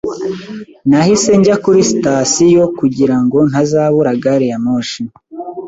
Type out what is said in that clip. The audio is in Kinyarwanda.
Nahise njya kuri sitasiyo kugira ngo ntazabura gari ya moshi.